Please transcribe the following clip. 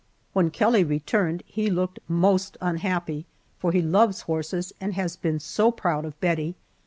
When Kelly returned he looked most unhappy, for he loves horses and has been so proud of Bettie.